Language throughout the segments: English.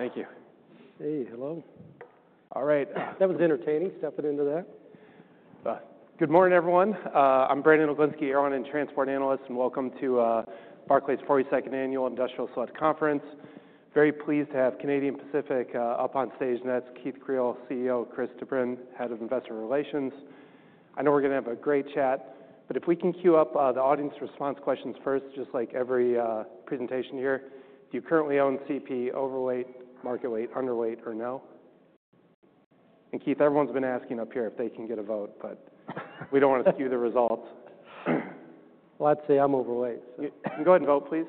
Thank you. Hey, hello. All right. That was entertaining, stepping into that. Good morning, everyone. I'm Brandon Oglenski, Airline and Transport Analyst, and welcome to Barclays' 42nd Annual Industrial Select Conference. Very pleased to have Canadian Pacific up on stage next: Keith Creel, CEO; Chris de Bruyn, Head of Investor Relations. I know we're going to have a great chat, but if we can queue up the audience response questions first, just like every presentation here. Do you currently own CP? Overweight? Market weight? Underweight? Or no? And Keith, everyone's been asking up here if they can get a vote, but we don't want to skew the results. I'd say I'm overweight. Go ahead and vote, please.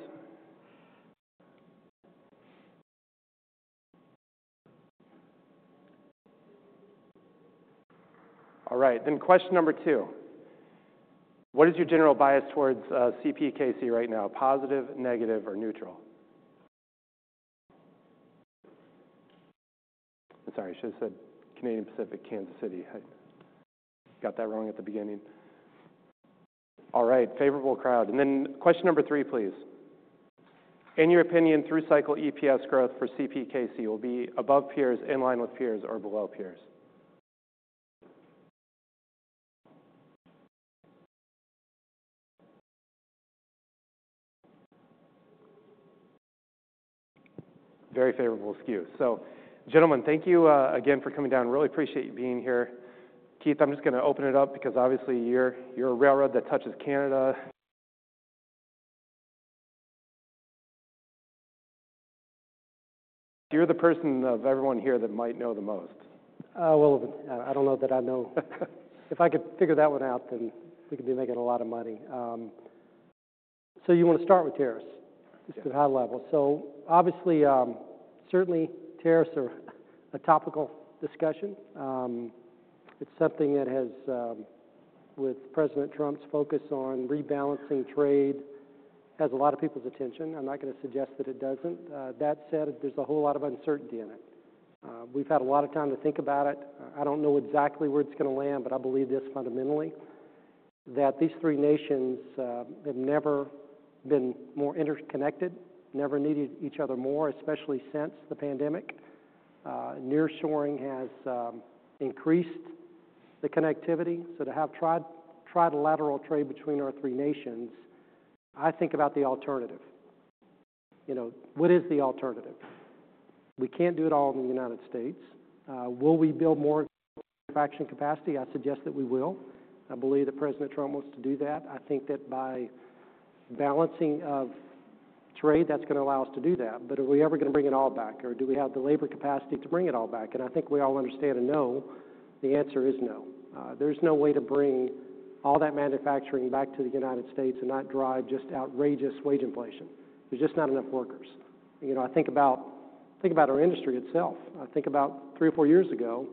All right, then question number two. What is your general bias towards CPKC right now? Positive, negative, or neutral? Sorry, I should have said Canadian Pacific Kansas City. Got that wrong at the beginning. All right, favorable crowd. Then question number three, please. In your opinion, through cycle EPS growth for CPKC will be above peers, in line with peers, or below peers? Very favorable skew. Gentlemen, thank you again for coming down. Really appreciate you being here. Keith, I'm just going to open it up because obviously you're a railroad that touches Canada. You're the person of everyone here that might know the most. I don't know that I know. If I could figure that one out, then we could be making a lot of money. So you want to start with tariffs at a high level. So obviously, certainly tariffs are a topical discussion. It's something that has, with President Trump's focus on rebalancing trade, has a lot of people's attention. I'm not going to suggest that it doesn't. That said, there's a whole lot of uncertainty in it. We've had a lot of time to think about it. I don't know exactly where it's going to land, but I believe this fundamentally that these three nations have never been more interconnected, never needed each other more, especially since the pandemic. Nearshoring has increased the connectivity. So to have trilateral trade between our three nations, I think about the alternative. You know, what is the alternative? We can't do it all in the United States. Will we build more manufacturing capacity? I suggest that we will. I believe that President Trump wants to do that. I think that by balance of trade, that's going to allow us to do that. But are we ever going to bring it all back, or do we have the labor capacity to bring it all back? And I think we all understand and know the answer is no. There's no way to bring all that manufacturing back to the United States and not drive just outrageous wage inflation. There's just not enough workers. You know, I think about our industry itself. I think about three or four years ago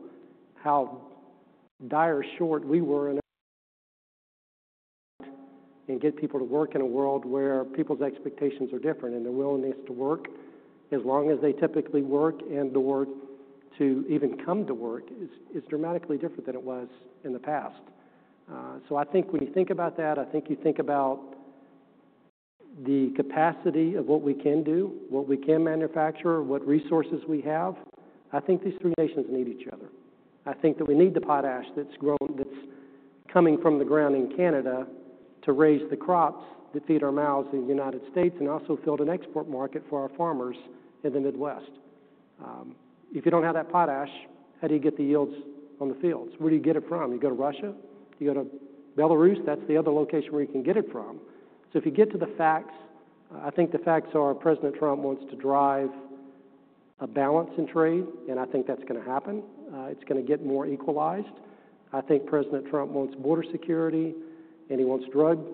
how dire the shortage we were in to get people to work in a world where people's expectations are different and their willingness to work, as long as they typically work and/or to even come to work, is dramatically different than it was in the past. So I think when you think about that, I think you think about the capacity of what we can do, what we can manufacture, what resources we have. I think these three nations need each other. I think that we need the potash that's grown, that's coming from the ground in Canada to raise the crops that feed our mouths in the United States and also fill the export market for our farmers in the Midwest. If you don't have that potash, how do you get the yields on the fields? Where do you get it from? You go to Russia? You go to Belarus? That's the other location where you can get it from. So if you get to the facts, I think the facts are President Trump wants to drive a balance in trade, and I think that's going to happen. It's going to get more equalized. I think President Trump wants border security, and he wants drug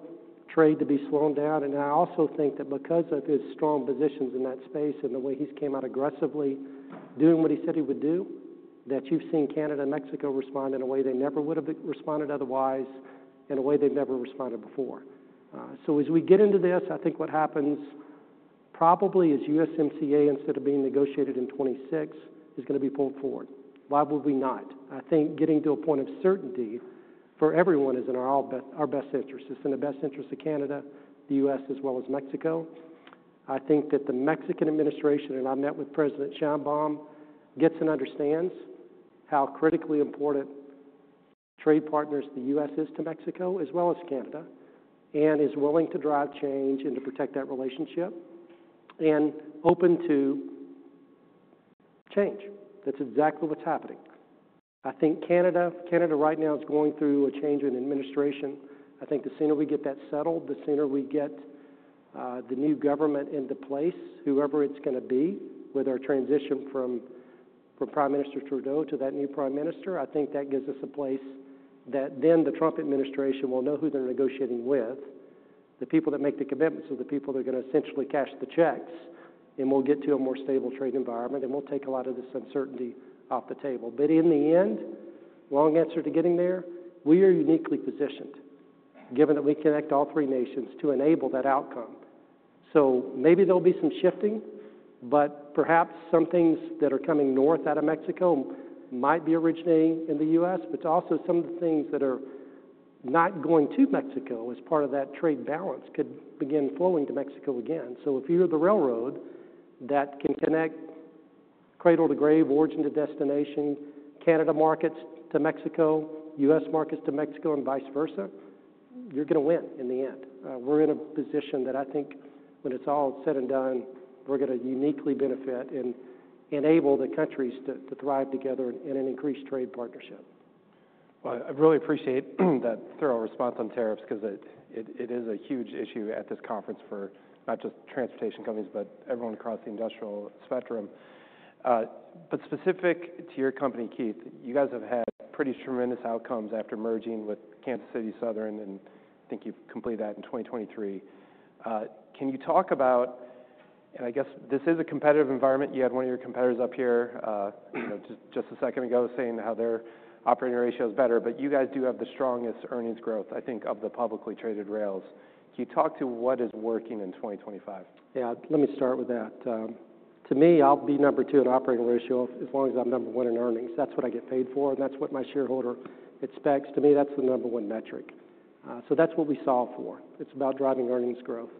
trade to be slowed down. And I also think that because of his strong positions in that space and the way he's came out aggressively doing what he said he would do, that you've seen Canada and Mexico respond in a way they never would have responded otherwise, in a way they've never responded before. So as we get into this, I think what happens probably is USMCA, instead of being negotiated in 2026, is going to be pulled forward. Why would we not? I think getting to a point of certainty for everyone is in our best interest. It's in the best interest of Canada, the U.S., as well as Mexico. I think that the Mexican administration, and I met with President Sheinbaum, gets and understands how critically important trade partners the U.S. is to Mexico, as well as Canada, and is willing to drive change and to protect that relationship and open to change. That's exactly what's happening. I think Canada right now is going through a change in administration. I think the sooner we get that settled, the sooner we get the new government into place, whoever it's going to be, with our transition from Prime Minister Trudeau to that new Prime Minister, I think that gives us a place that then the Trump administration will know who they're negotiating with, the people that make the commitments of the people that are going to essentially cash the checks, and we'll get to a more stable trade environment, and we'll take a lot of this uncertainty off the table, but in the end, long answer to getting there, we are uniquely positioned, given that we connect all three nations to enable that outcome. So maybe there'll be some shifting, but perhaps some things that are coming north out of Mexico might be originating in the U.S., but also some of the things that are not going to Mexico as part of that trade balance could begin flowing to Mexico again. So if you're the railroad that can connect cradle to grave, origin to destination, Canada markets to Mexico, U.S. markets to Mexico, and vice versa, you're going to win in the end. We're in a position that I think when it's all said and done, we're going to uniquely benefit and enable the countries to thrive together in an increased trade partnership. I really appreciate that thorough response on tariffs because it is a huge issue at this conference for not just transportation companies, but everyone across the industrial spectrum. But specific to your company, Keith, you guys have had pretty tremendous outcomes after merging with Kansas City Southern, and I think you've completed that in 2023. Can you talk about, and I guess this is a competitive environment. You had one of your competitors up here just a second ago saying how their operating ratio is better, but you guys do have the strongest earnings growth, I think, of the publicly traded rails. Can you talk to what is working in 2025? Yeah, let me start with that. To me, I'll be number two in operating ratio as long as I'm number one in earnings. That's what I get paid for, and that's what my shareholder expects. To me, that's the number one metric. So that's what we solve for. It's about driving earnings growth,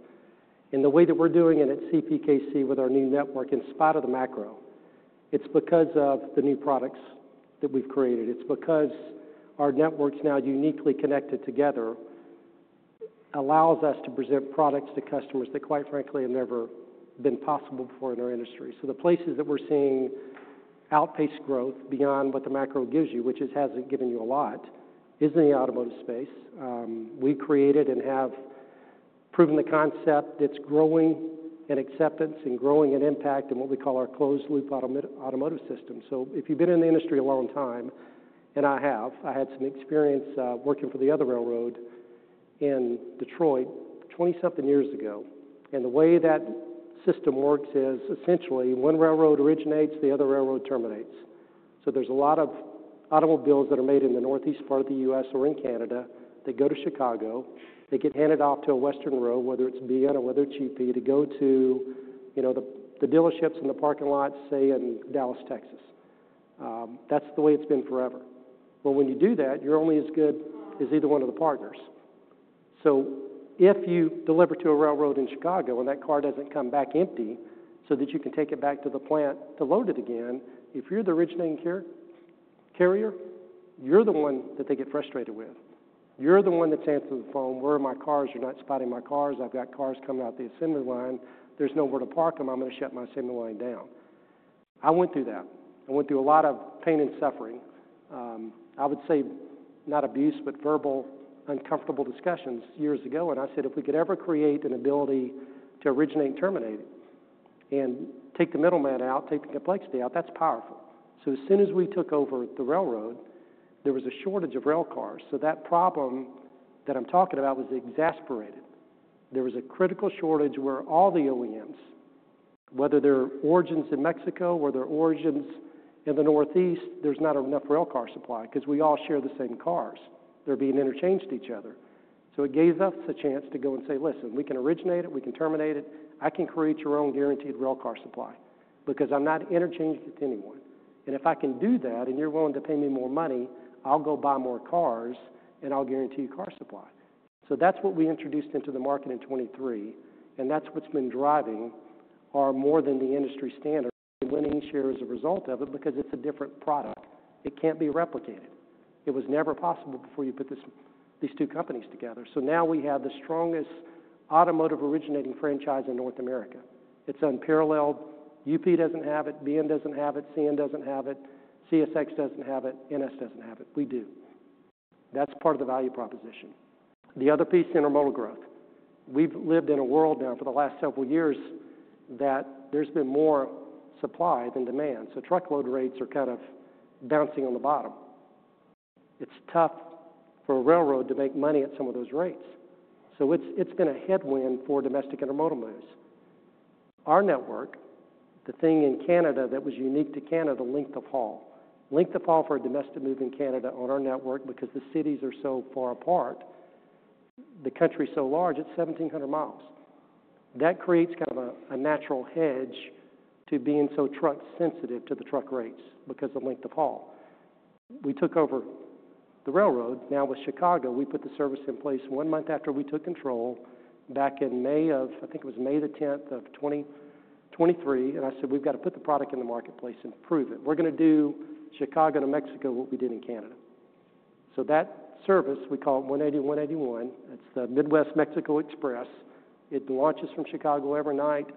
and the way that we're doing it at CPKC with our new network in spite of the macro, it's because of the new products that we've created. It's because our networks now uniquely connected together allows us to present products to customers that, quite frankly, have never been possible before in our industry, so the places that we're seeing outpaced growth beyond what the macro gives you, which hasn't given you a lot, is in the automotive space. We created and have proven the concept that's growing in acceptance and growing in impact in what we call our closed-loop automotive system. So if you've been in the industry a long time, and I have, I had some experience working for the other railroad in Detroit 20-something years ago. And the way that system works is essentially one railroad originates, the other railroad terminates. So there's a lot of automobiles that are made in the Northeast part of the U.S. or in Canada. They go to Chicago. They get handed off to a Western rail, whether it's BN or whether it's UP, to go to the dealerships in the parking lots, say, in Dallas, Texas. That's the way it's been forever. Well, when you do that, you're only as good as either one of the partners. So if you deliver to a railroad in Chicago and that car doesn't come back empty so that you can take it back to the plant to load it again, if you're the originating carrier, you're the one that they get frustrated with. You're the one that's answering the phone, "Where are my cars? You're not spotting my cars. I've got cars coming out the assembly line. There's nowhere to park them. I'm going to shut my assembly line down." I went through that. I went through a lot of pain and suffering. I would say not abuse, but verbal uncomfortable discussions years ago. And I said, "If we could ever create an ability to originate and terminate and take the middleman out, take the complexity out, that's powerful." So as soon as we took over the railroad, there was a shortage of rail cars. So that problem that I'm talking about was exasperated. There was a critical shortage where all the OEMs, whether they're origins in Mexico or their origins in the Northeast, there's not enough rail car supply because we all share the same cars. They're being interchanged to each other. So it gave us a chance to go and say, "Listen, we can originate it. We can terminate it. I can create your own guaranteed rail car supply because I'm not interchanged with anyone. And if I can do that and you're willing to pay me more money, I'll go buy more cars and I'll guarantee you car supply." So that's what we introduced into the market in 2023. And that's what's been driving our more than the industry standard winning share as a result of it because it's a different product. It can't be replicated. It was never possible before you put these two companies together. So now we have the strongest automotive originating franchise in North America. It's unparalleled. UP doesn't have it. BN doesn't have it. CN doesn't have it. CSX doesn't have it. NS doesn't have it. We do. That's part of the value proposition. The other piece, intermodal growth. We've lived in a world now for the last several years that there's been more supply than demand. So truckload rates are kind of bouncing on the bottom. It's tough for a railroad to make money at some of those rates. So it's been a headwind for domestic intermodal moves. Our network, the thing in Canada that was unique to Canada, length of haul. Length of haul for a domestic move in Canada on our network because the cities are so far apart. The country is so large, it's 1,700 miles. That creates kind of a natural hedge to being so truck-sensitive to the truck rates because of the length of haul. We took over the railroad. Now with Chicago, we put the service in place one month after we took control back in May of, I think it was May the 10th of 2023, and I said, "We've got to put the product in the marketplace and prove it. We're going to do Chicago to Mexico what we did in Canada," so that service, we call it 180-181. It's the Midwest Mexico Express. It launches from Chicago every night.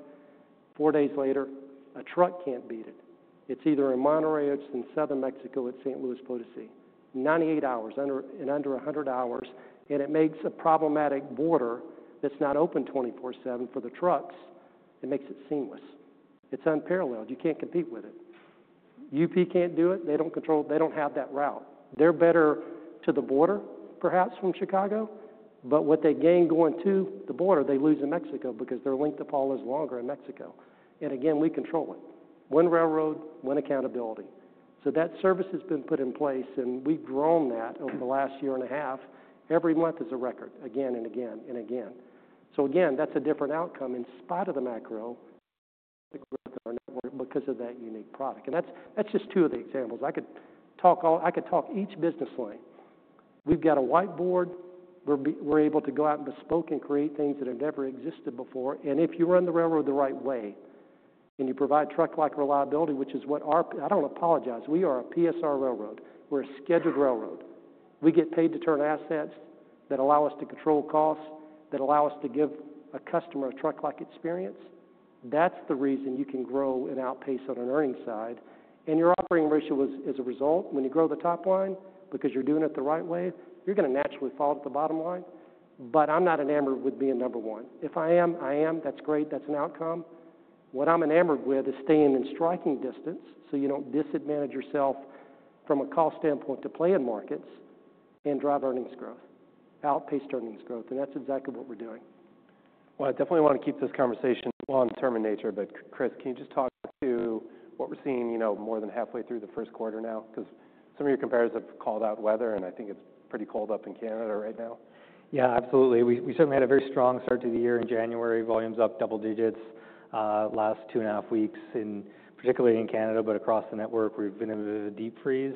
Four days later, a truck can't beat it, it's either in Monterrey or it's in Southern Mexico at San Luis Potosí: 98 hours and under 100 hours, and it makes a problematic border that's not open 24/7 for the trucks. It makes it seamless. It's unparalleled. You can't compete with it. UP can't do it. They don't control. They don't have that route. They're better to the border, perhaps from Chicago, but what they gain going to the border, they lose in Mexico because their length of haul is longer in Mexico, and again, we control it. One railroad, one accountability, so that service has been put in place, and we've grown that over the last year and a half. Every month is a record again and again and again, so again, that's a different outcome in spite of the macro growth in our network because of that unique product, and that's just two of the examples. I could talk all I could talk each business line. We've got a whiteboard. We're able to go out and bespoke and create things that have never existed before. If you run the railroad the right way and you provide truck-like reliability, which is what we're. I don't apologize. We are a PSR railroad. We're a scheduled railroad. We get paid to turn assets that allow us to control costs, that allow us to give a customer a truck-like experience. That's the reason you can grow and outpace on an earnings side. Your operating ratio is a result when you grow the top line because you're doing it the right way. You're going to naturally fall to the bottom line. I'm not enamored with being number one. If I am, I am. That's great. That's an outcome. What I'm enamored with is staying in striking distance so you don't disadvantage yourself from a cost standpoint to play in markets and drive earnings growth, outpace earnings growth. That's exactly what we're doing. I definitely want to keep this conversation long-term in nature. Chris, can you just talk to what we're seeing more than halfway through the first quarter now? Because some of your competitors have called out weather, and I think it's pretty cold up in Canada right now. Yeah, absolutely. We certainly had a very strong start to the year in January. Volumes up double digits last two and a half weeks, and particularly in Canada, but across the network, we've been in a deep freeze.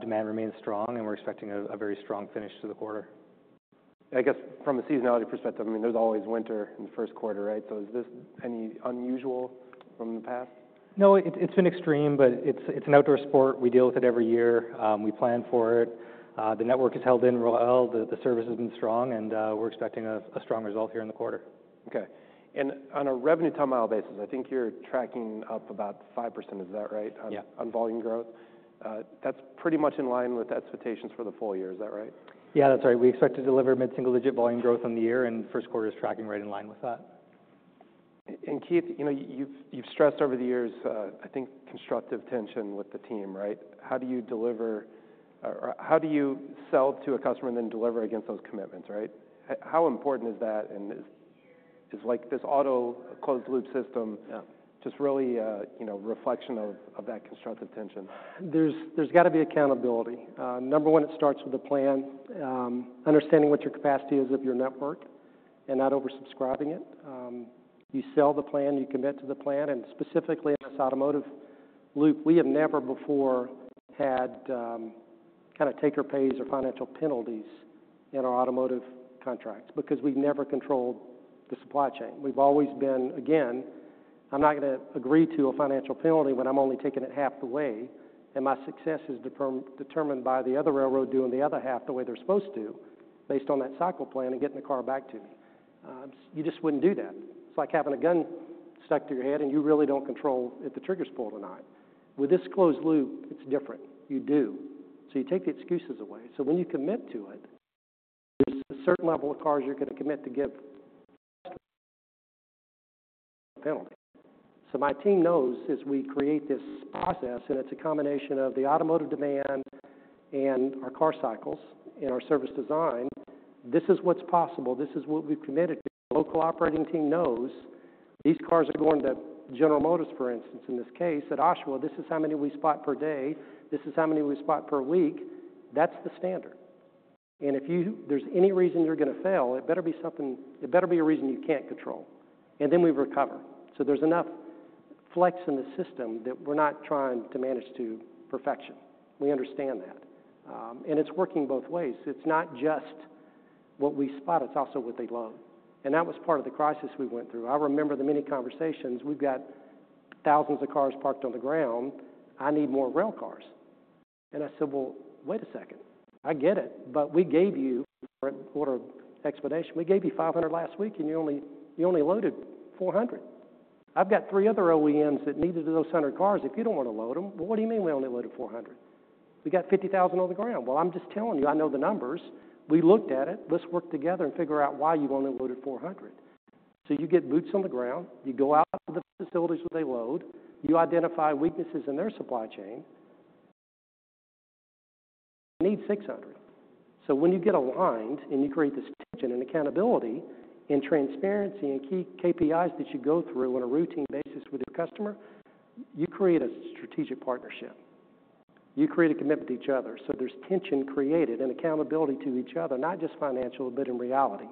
Demand remains strong, and we're expecting a very strong finish to the quarter. I guess from a seasonality perspective, I mean, there's always winter in the first quarter, right? So is this any unusual from the past? No, it's been extreme, but it's an outdoor sport. We deal with it every year. We plan for it. The network has held in real well. The service has been strong, and we're expecting a strong result here in the quarter. Okay. And on a revenue timeline basis, I think you're tracking up about 5%, is that right? Yeah. On volume growth. That's pretty much in line with expectations for the full year, is that right? Yeah, that's right. We expect to deliver mid-single-digit volume growth in the year, and first quarter is tracking right in line with that. And Keith, you've stressed over the years, I think, constructive tension with the team, right? How do you deliver or how do you sell to a customer and then deliver against those commitments, right? How important is that? And is this automotive closed-loop system just really a reflection of that constructive tension? There's got to be accountability. Number one, it starts with the plan, understanding what your capacity is of your network, and not oversubscribing it. You sell the plan, you commit to the plan. And specifically in this automotive loop, we have never before had kind of take-or-pays or financial penalties in our automotive contracts because we've never controlled the supply chain. We've always been, again, I'm not going to agree to a financial penalty when I'm only taking it half the way, and my success is determined by the other railroad doing the other half the way they're supposed to based on that cycle plan and getting the car back to me. You just wouldn't do that. It's like having a gun stuck to your head, and you really don't control if the trigger's pulled or not. With this closed loop, it's different. You do. You take the excuses away. When you commit to it, there's a certain level of cars you're going to commit to give a penalty. My team knows as we create this process, and it's a combination of the automotive demand and our car cycles and our service design, this is what's possible. This is what we've committed to. Our local operating team knows these cars are going to General Motors, for instance, in this case, at Oshawa, this is how many we spot per day. This is how many we spot per week. That's the standard. If there's any reason you're going to fail, it better be something, a reason you can't control. Then we recover. There's enough flex in the system that we're not trying to manage to perfection. We understand that. It's working both ways. It's not just what we spot. It's also what they load, and that was part of the crisis we went through. I remember the many conversations. We've got thousands of cars parked on the ground. I need more rail cars, and I said, "Well, wait a second. I get it. But we gave you order expedition. We gave you 500 last week, and you only loaded 400. I've got three other OEMs that needed those 100 cars. If you don't want to load them, well, what do you mean we only loaded 400? We got 50,000 on the ground," well, I'm just telling you, I know the numbers. We looked at it. Let's work together and figure out why you only loaded 400, so you get boots on the ground. You go out to the facilities where they load. You identify weaknesses in their supply chain. You need 600. So when you get aligned and you create this tension and accountability and transparency and key KPIs that you go through on a routine basis with your customer, you create a strategic partnership. You create a commitment to each other. So there's tension created and accountability to each other, not just financial, but in reality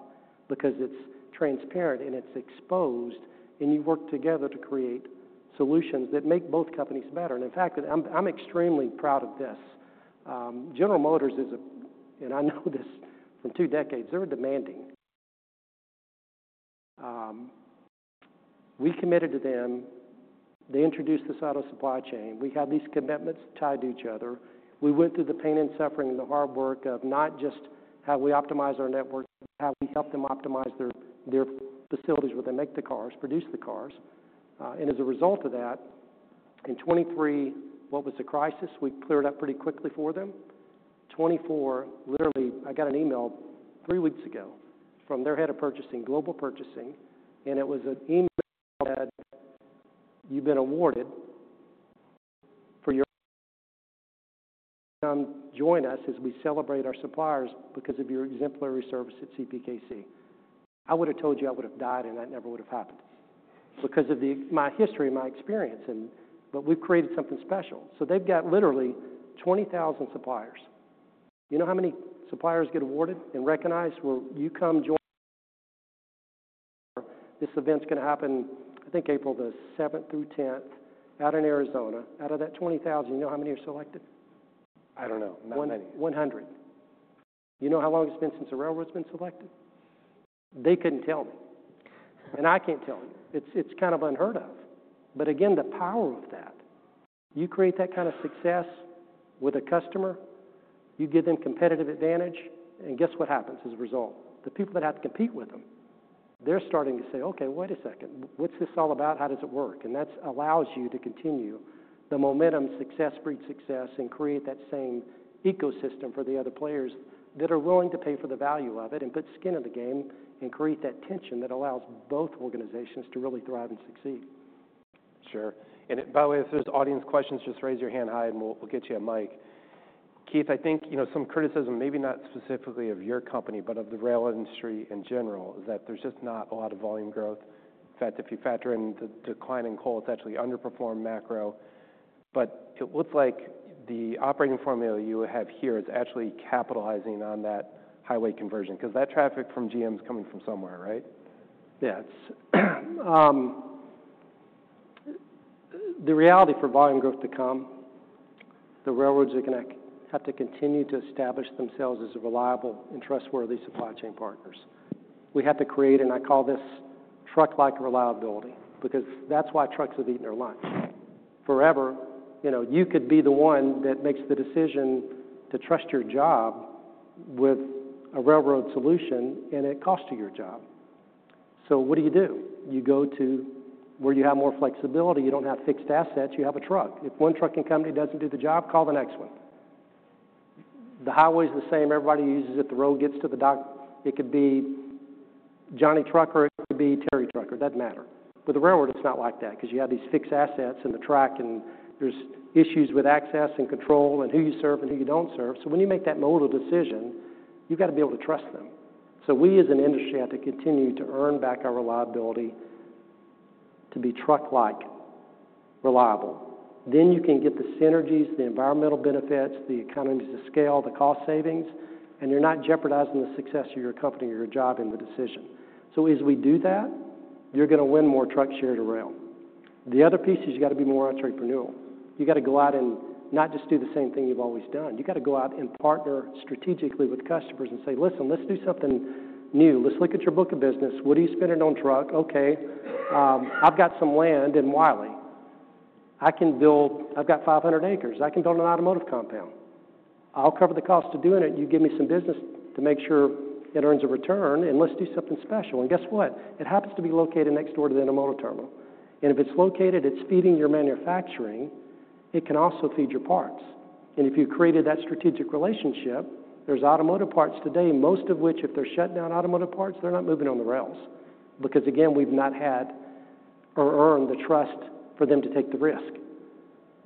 because it's transparent and it's exposed, and you work together to create solutions that make both companies better. And in fact, I'm extremely proud of this. General Motors is a, and I know this from two decades, they're demanding. We committed to them. They introduced this auto supply chain. We had these commitments tied to each other. We went through the pain and suffering and the hard work of not just how we optimize our network, how we help them optimize their facilities where they make the cars, produce the cars. As a result of that, in 2023, what was the crisis? We cleared up pretty quickly for them. In 2024, literally, I got an email three weeks ago from their head of purchasing, global purchasing, and it was an email that said, "You've been awarded for your join us as we celebrate our suppliers because of your exemplary service at CPKC." I would have told you I would have died, and that never would have happened because of my history and my experience. We've created something special. They've got literally 20,000 suppliers. You know how many suppliers get awarded and recognized where you come join? This event's going to happen, I think, April the 7th through 10th out in Arizona. Out of that 20,000, you know how many are selected? I don't know. Not many. You know how long it's been since a railroad's been selected? They couldn't tell me. And I can't tea l you. It's kind of unheard of. But again, the power of that, you create that kind of success with a customer, you give them competitive advantage, and guess what happens as a result? The people that have to compete with them, they're starting to say, "Okay, wait a second. What's this all about? How does it work?" And that allows you to continue the momentum, success, breed success, and create that same ecosystem for the other players that are willing to pay for the value of it and put skin in the game and create that tension that allows both organizations to really thrive and succeed. Sure. And by the way, if there's audience questions, just raise your hand high, and we'll get you a mic. Keith, I think some criticism, maybe not specifically of your company, but of the rail industry in general, is that there's just not a lot of volume growth. In fact, if you factor in the decline in coal, it's actually underperformed macro. But it looks like the operating formula you have here is actually capitalizing on that highway conversion because that traffic from GM's coming from somewhere, right? Yeah. The reality for volume growth to come, the railroads are going to have to continue to establish themselves as reliable and trustworthy supply chain partners. We have to create, and I call this truck-like reliability because that's why trucks have eaten their lunch. Forever, you could be the one that makes the decision to trust your job with a railroad solution, and it costs you your job. So what do you do? You go to where you have more flexibility. You don't have fixed assets. You have a truck. If one trucking company doesn't do the job, call the next one. The highway's the same. Everybody uses it. The road gets to the dock. It could be Johnny Trucker, it could be Terry Trucker. It doesn't matter. With a railroad, it's not like that because you have these fixed assets in the track, and there's issues with access and control and who you serve and who you don't serve. So when you make that modal decision, you've got to be able to trust them. So we, as an industry, have to continue to earn back our reliability to be truck-like reliable. Then you can get the synergies, the environmental benefits, the economies of scale, the cost savings, and you're not jeopardizing the success of your company or your job in the decision. So as we do that, you're going to win more truck share to rail. The other piece is you've got to be more entrepreneurial. You've got to go out and not just do the same thing you've always done. You've got to go out and partner strategically with customers and say, "Listen, let's do something new. Let's look at your book of business. What are you spending on truck? Okay. I've got some land in Wylie. I've got 500 acres. I can build an automotive compound. I'll cover the cost of doing it. You give me some business to make sure it earns a return, and let's do something special." And guess what? It happens to be located next door to the automotive terminal. And if it's located, it's feeding your manufacturing. It can also feed your parts. And if you created that strategic relationship, there's automotive parts today, most of which, if they're shut down automotive parts, they're not moving on the rails because, again, we've not had or earned the trust for them to take the risk.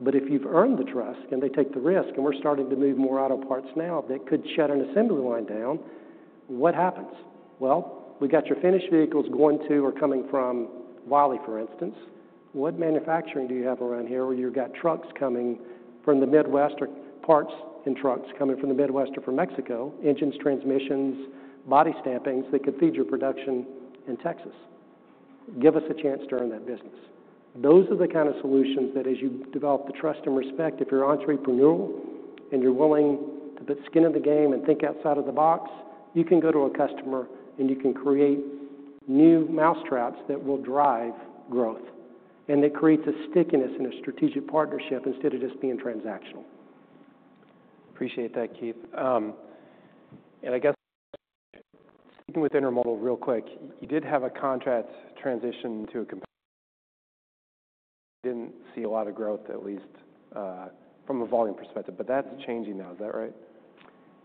But if you've earned the trust and they take the risk, and we're starting to move more auto parts now that could shut an assembly line down. What happens, well, we've got your finished vehicles going to or coming from Wylie, for instance. What manufacturing do you have around here where you've got trucks coming from the Midwest or parts and trucks coming from the Midwest or from Mexico, engines, transmissions, body stampings that could feed your production in Texas? Give us a chance to earn that business. Those are the kind of solutions that, as you develop the trust and respect, if you're entrepreneurial and you're willing to put skin in the game and think outside of the box, you can go to a customer and you can create new mousetraps that will drive growth, and it creates a stickiness in a strategic partnership instead of just being transactional. Appreciate that, Keith. And I guess speaking with Intermodal real quick, you did have a contract transition to a company, but you didn't see a lot of growth, at least from a volume perspective. But that's changing now, is that right?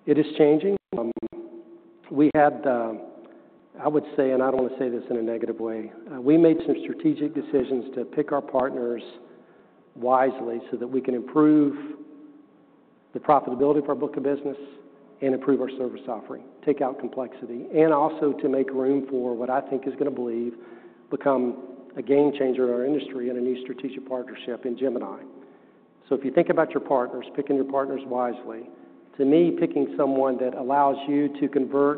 It is changing. We had, I would say, and I don't want to say this in a negative way, we made some strategic decisions to pick our partners wisely so that we can improve the profitability of our book of business and improve our service offering, take out complexity, and also to make room for what I think is going to become a game changer in our industry and a new strategic partnership in Gemini so if you think about your partners, picking your partners wisely, to me, picking someone that allows you to convert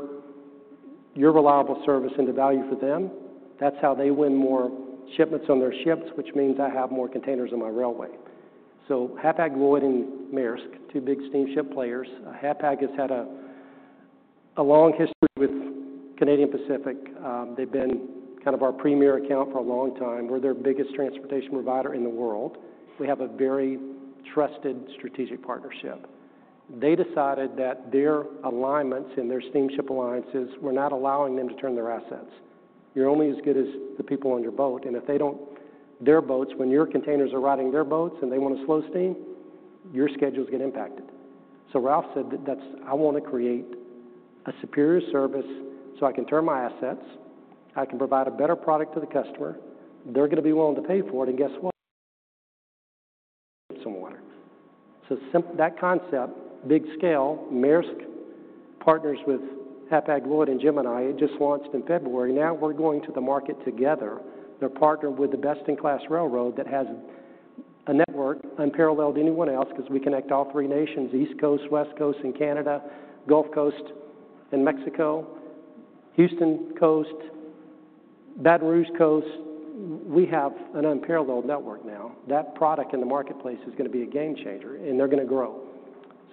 your reliable service into value for them, that's how they win more shipments on their ships, which means I have more containers on my railway so Hapag-Lloyd and Maersk, two big steamship players, Hapag has had a long history with Canadian Pacific. They've been kind of our premier account for a long time. We're their biggest transportation provider in the world. We have a very trusted strategic partnership. They decided that their alignments and their steamship alliances were not allowing them to turn their assets. You're only as good as the people on your boat. And if they don't turn their boats, when your containers are riding their boats and they want to slow steam, your schedules get impacted. So Rolf said, "I want to create a superior service so I can turn my assets. I can provide a better product to the customer. They're going to be willing to pay for it. And guess what? Some water." So that concept, big scale, Maersk partners with Hapag-Lloyd and Gemini. It just launched in February. Now we're going to the market together. They're partnered with the best-in-class railroad that has a network unparalleled to anyone else because we connect all three nations, East Coast, West Coast, and Canada, Gulf Coast and Mexico, Houston Coast, Baton Rouge Coast. We have an unparalleled network now. That product in the marketplace is going to be a game changer, and they're going to grow.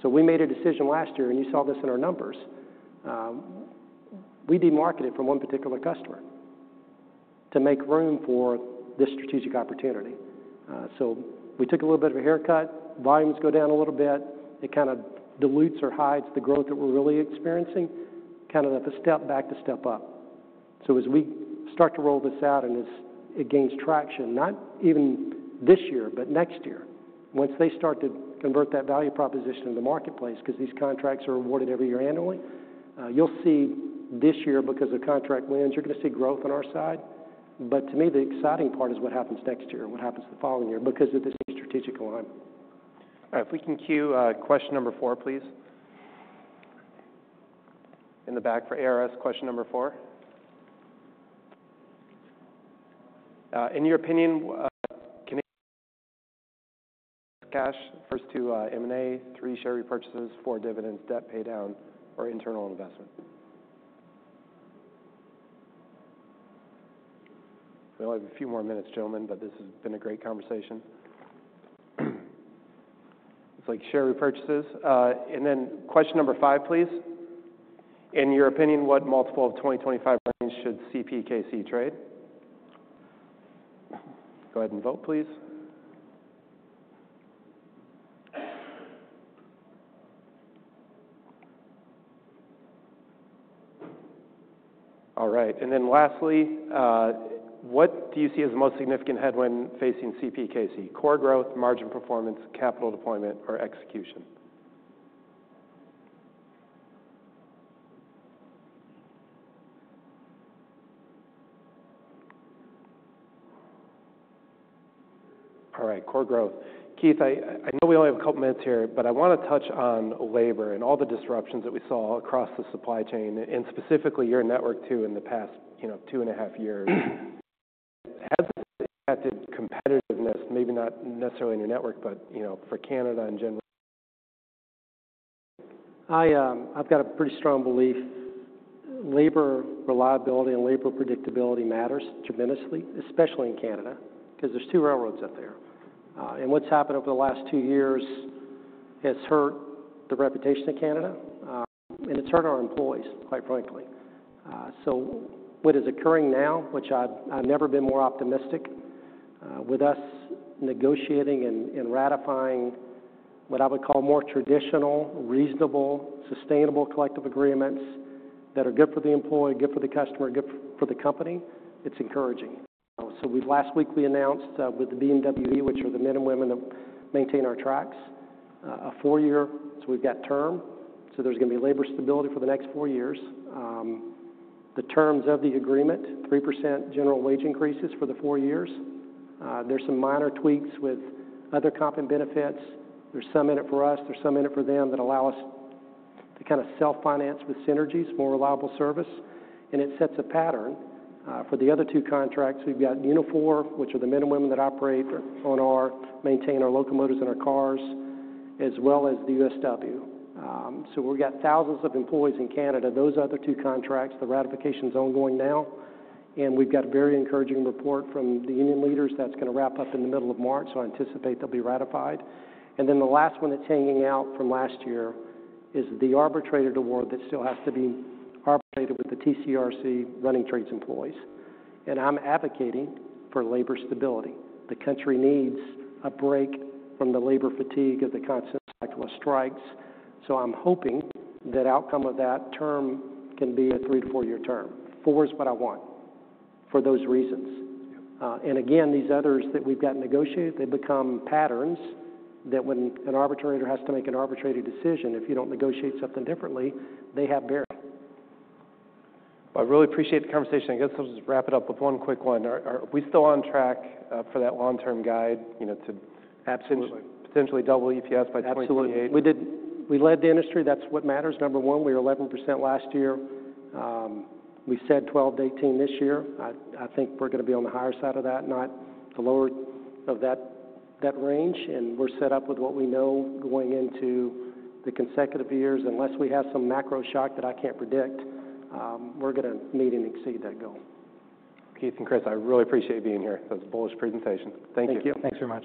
So we made a decision last year, and you saw this in our numbers. We demarketed from one particular customer to make room for this strategic opportunity. So we took a little bit of a haircut. Volumes go down a little bit. It kind of dilutes or hides the growth that we're really experiencing, kind of a step back to step up. So, as we start to roll this out and as it gains traction, not even this year, but next year, once they start to convert that value proposition in the marketplace because these contracts are awarded every year annually, you'll see this year because of contract wins, you're going to see growth on our side. But to me, the exciting part is what happens next year and what happens the following year because of this new strategic alignment. All right. If we can cue question number four, please, in the back for ARS, question number four. In your opinion, Canadian Pacific Kansas City, first two, M&A, three share repurchases, four dividends, debt pay down, or internal investment? We only have a few more minutes, gentlemen, but this has been a great conversation. Looks like share repurchases. And then question number five, please. In your opinion, what multiple of 2025 earnings should CPKC trade? Go ahead and vote, please. All right. And then lastly, what do you see as the most significant headwind facing CPKC? Core growth, margin performance, capital deployment, or execution? All right. Core growth. Keith, I know we only have a couple of minutes here, but I want to touch on labor and all the disruptions that we saw across the supply chain and specifically your network too in the past two and a half years. Has it impacted competitiveness, maybe not necessarily in your network, but for Canada in general? I've got a pretty strong belief labor reliability and labor predictability matters tremendously, especially in Canada because there's two railroads up there. And what's happened over the last two years has hurt the reputation of Canada, and it's hurt our employees, quite frankly. So what is occurring now, which I've never been more optimistic, with us negotiating and ratifying what I would call more traditional, reasonable, sustainable collective agreements that are good for the employee, good for the customer, good for the company, it's encouraging. So last week, we announced with the BMWED, which are the men and women that maintain our tracks, a four-year term. So we've got term. So there's going to be labor stability for the next four years. The terms of the agreement, 3% general wage increases for the four years. There's some minor tweaks with other comp and benefits. There's some in it for us. There's some in it for them that allow us to kind of self-finance with synergies, more reliable service. And it sets a pattern for the other two contracts. We've got Unifor, which are the men and women that operate and maintain our locomotives and our cars, as well as the USW. So we've got thousands of employees in Canada. Those other two contracts, the ratification's ongoing now. And we've got a very encouraging report from the union leaders that's going to wrap up in the middle of March. So I anticipate they'll be ratified. And then the last one that's hanging out from last year is the arbitrated award that still has to be arbitrated with the TCRC running trades employees. And I'm advocating for labor stability. The country needs a break from the labor fatigue of the constant cycle of strikes. So, I'm hoping that outcome of that term can be a three- to four-year term. Four is what I want for those reasons. And again, these others that we've gotten negotiated, they become patterns that when an arbitrator has to make an arbitrated decision, if you don't negotiate something differently, they have bearing. I really appreciate the conversation. I guess I'll just wrap it up with one quick one. Are we still on track for that long-term guide to potentially double EPS by 2028? Absolutely. We led the industry. That's what matters, number one. We were 11% last year. We said 12%-18% this year. I think we're going to be on the higher side of that, not the lower of that range, and we're set up with what we know going into the consecutive years. Unless we have some macro shock that I can't predict, we're going to meet and exceed that goal. Keith and Chris, I really appreciate being here. That was a bullish presentation. Thank you. Thank you. Thanks very much.